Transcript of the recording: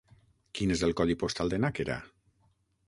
Quin és el codi postal de Nàquera?